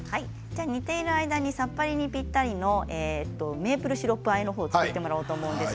煮ている間にさっぱり煮にぴったりのメープルシロップを作ってもらおうと思います。